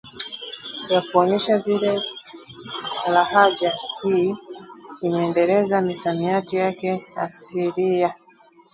ya kuonyesha vile lahaja hii imeendeleza misamiati yake asilia